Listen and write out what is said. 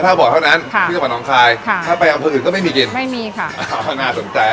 ค่ะถ้าไปเอาผืนอื่นก็ไม่มีกลิ่นไม่มีค่ะอ้าวน่าสนใจ